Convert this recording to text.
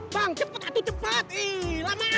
bang cepat atu cepat